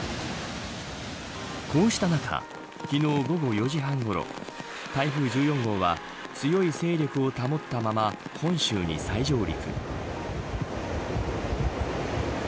こうした中、昨日午後４時半ごろ台風１４号は強い勢力を保ったまま本州に再上陸。